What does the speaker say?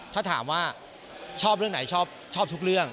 ถ้าถามว่าชอบเรื่องไหนชอบทุกเรื่อง